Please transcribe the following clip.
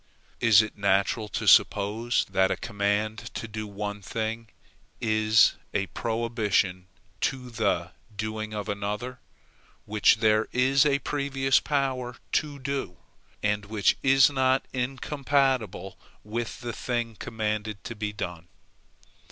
Is it natural to suppose, that a command to do one thing is a prohibition to the doing of another, which there was a previous power to do, and which is not incompatible with the thing commanded to be done?